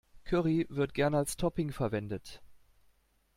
Curry wird gerne als Topping verwendet.